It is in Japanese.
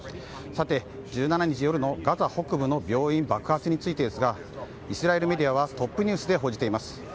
１７日夜のガザ北部の病院爆発についてですがイスラエルメディアはトップニュースで報じています。